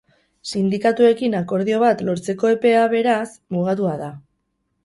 Sindikatuekin akordio bat lortzeko epea, beraz, mugatua da.